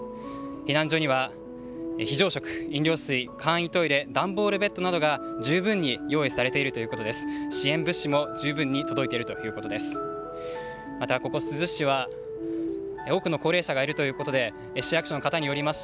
避難所には、非常食、飲料水、簡易トイレ、段ボールベッドなどが十分に用意されているということです。